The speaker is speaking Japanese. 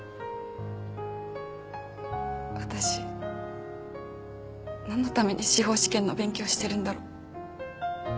私何のために司法試験の勉強してるんだろう。